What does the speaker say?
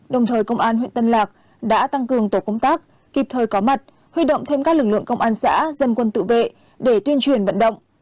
đồng thời công an huyện tân lạc đã tăng cường tổ công tác kịp thời có mặt huy động thêm các lực lượng công an xã dân quân tự vệ để tuyên truyền vận động